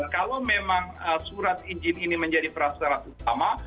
kalau memang surat izin ini menjadi prasarat utama